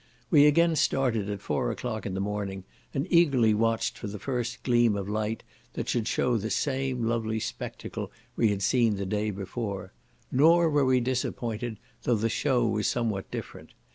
We again started at four o'clock in the morning, and eagerly watched for the first gleam of light that should show the same lovely spectacle we had seen the day before; nor were we disappointed, though the show was somewhat different.